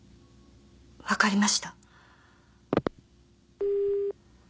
分かりました。